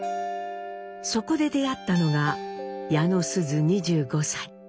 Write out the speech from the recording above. そこで出会ったのが矢野須壽２５歳。